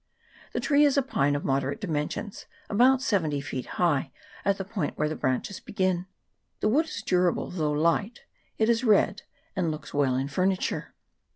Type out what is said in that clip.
The tree is a pine of moderate dimensions, about seventy feet high at the point where the branches begin ; the wood is durable, though light ; it is red, and looks well in furniture.